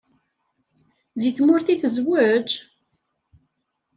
Deg tmurt i tezweǧ?